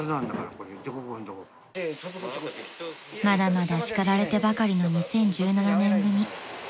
［まだまだ叱られてばかりの２０１７年組］